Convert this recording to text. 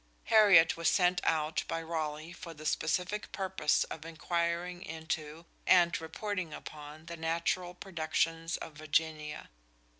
Hariot was sent out by Raleigh for the specific purpose of inquiring into and reporting upon the natural productions of Virginia.